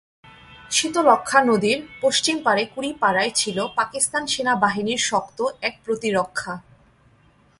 শীতলক্ষ্যা নদীর পশ্চিম পারে কুড়িপাড়ায় ছিল পাকিস্তান সেনাবাহিনীর শক্ত এক প্রতিরক্ষা।